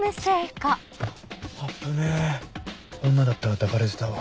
危ねぇ女だったら抱かれてたわ。